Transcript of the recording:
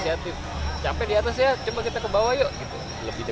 semoga diraih orang orang tni dan juga pemerintah abahta